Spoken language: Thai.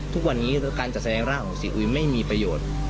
ทุกวันนี้การจัดแสดงร่างของซีอุยไม่มีประโยชน์